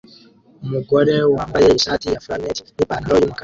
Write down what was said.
Umugabo wambaye ishati ya flannel nipantaro yumukara